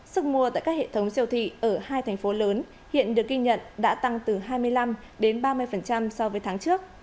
sức mua tại các hệ thống siêu thị ở hai thành phố lớn hiện được ghi nhận đã tăng từ hai mươi năm đến ba mươi so với tháng trước